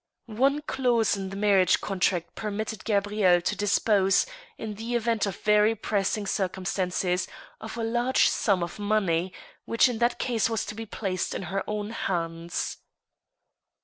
One clause in the marriage contract permitted Gabrieile to dis pose, in the event of very pressing circumstances, of a large sum of money, which in that case was to be placed in her own hands.